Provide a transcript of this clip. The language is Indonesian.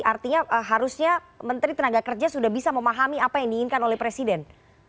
artinya harusnya menteri tenaga kerja sudah bisa memahami apa yang diinginkan oleh presiden